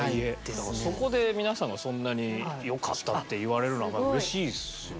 だからそこで皆さんがそんなに良かったって言われるのはうれしいっすよね。